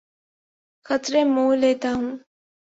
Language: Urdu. خطرے مول لیتا ہوں